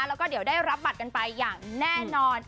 แล้วก็เดี๋ยวได้รับบัตรกันไปอย่างแน่นอน